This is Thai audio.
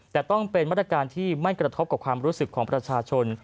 แต่ต้องเป็นมาตรการที่ไม่กระทบกับความรู้สึกของประชาชน